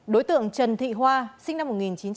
đối tượng trần thị hoa sinh năm một nghìn chín trăm tám mươi